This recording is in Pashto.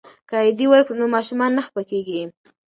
که عیدي ورکړو نو ماشومان نه خفه کیږي.